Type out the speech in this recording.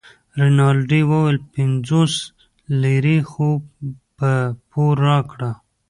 رینالډي وویل پنځوس لیرې خو په پور راکړه.